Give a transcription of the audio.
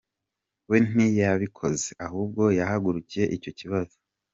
We ntiyabikoze, ahubwo yahagurukiye icyo kibazo.